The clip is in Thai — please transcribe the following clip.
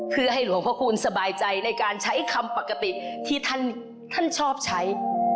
เพื่อให้หลวงพระคุณสบายใจในการใช้คำปกติที่ท่านชอบใช้